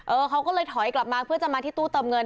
เขาก็เลยถอยกลับมาเพื่อจะมาที่ตู้เติมเงิน